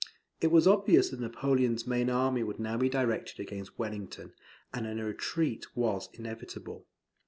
It was obvious that Napoleon's main army would now be directed against Wellington, and a retreat was inevitable.